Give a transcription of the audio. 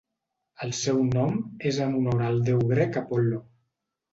El seu nom és en honor al déu grec Apol·lo.